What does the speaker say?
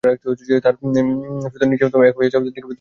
তাহার সহিত নিজে এক হইয়া যাও, দেখিবে তোমারই যেন দুইটি দেহ।